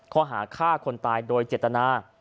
ข้อหาฆ่าคนตายโดยเจตนา